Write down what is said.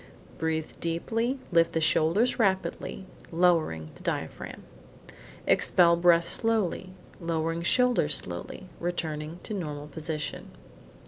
Breathe deeply, lift the shoulders rapidly, lowering the diaphragm. Expel breath slowly, lowering shoulders slowly, returning to normal position.